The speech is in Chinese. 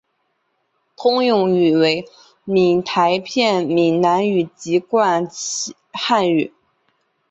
通用语为闽台片闽南语及籍贯汉语。